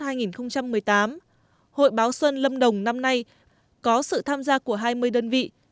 hội báo xuân lâm đồng năm nay có sự tham gia của hai mươi đơn vị